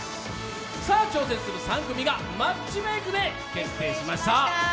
挑戦する３組がマッチメイクで決定しました。